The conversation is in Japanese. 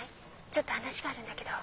ちょっと話があるんだけど。